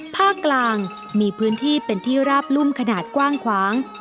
ภาคกลางมีพื้นที่เป็นที่ราบรุ่มขนาดกว้างขวาง